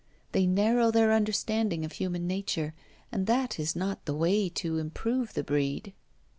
They narrow their understanding of human nature, and that is not the way to improve the breed.'